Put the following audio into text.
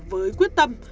với quyết tâm